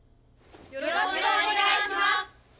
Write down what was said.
よろしくお願いします。